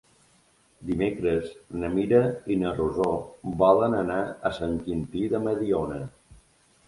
Dimecres na Mira i na Rosó volen anar a Sant Quintí de Mediona.